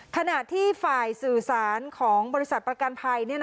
ขณะที่ฝ่ายสื่อสารของบริษัทประกันภัย